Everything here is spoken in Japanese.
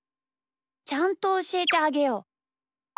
ちゃんとおしえてあげよう。